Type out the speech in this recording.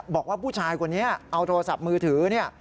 บอกว่าผู้ชายคนนี้เอาโทรศัพท์มือถือเนี่ย